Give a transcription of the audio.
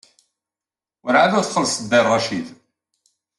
Werɛad ur txellṣed Dda Racid.